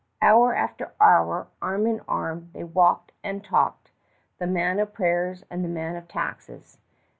Hour after hour, arm in arm, they walked and talked, the man of prayers and the man of taxes.